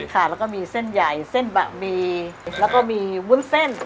ค่ะแล้วก็มีเส้นใหญ่แล้วก็มีวุ้นเส้น